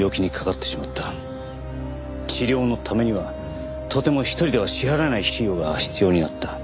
治療のためにはとても一人では支払えない費用が必要になった。